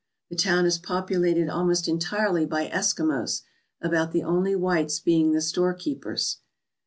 The town is populated almost entirely by Eskimos, about the only whites being the storekeepers.